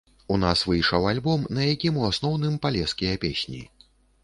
У нас выйшаў альбом на якім у асноўным палескія песні.